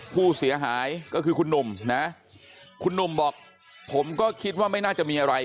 ผู้เสียหายก็คือคุณหนุ่มนะคุณหนุ่มบอกผมก็คิดว่าไม่น่าจะมีอะไร